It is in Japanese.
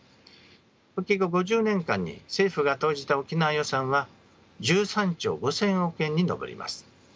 復帰後５０年間に政府が投じた沖縄予算は１３兆５，０００億円に上ります。